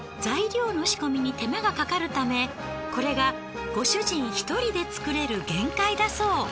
材料の仕込みに手間がかかるためこれがご主人１人で作れる限界だそう。